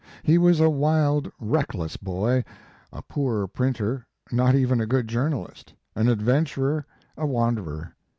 He w"as a wild, reckless boy, a poor printer, not even a good journalist, an adventurer, a wanderer.